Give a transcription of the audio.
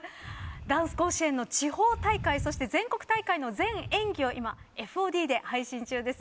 ダンス甲子園の地方大会、そして全国大会の全演技を今ＦＯＤで配信中です。